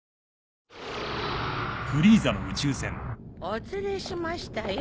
お連れしましたよ